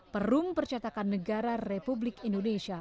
perum percetakan negara republik indonesia